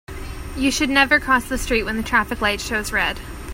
You should never cross the street when the traffic light shows red.